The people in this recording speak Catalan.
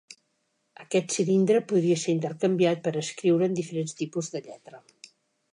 Aquest cilindre podia ser intercanviat per escriure en diferents tipus de lletra.